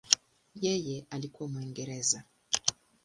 Yeye alikuwa Mwingereza.